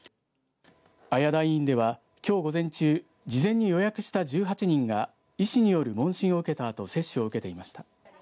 綾田医院ではきょう午前中事前に予約した１８人が医師による問診を受けたあと接種を受けていました。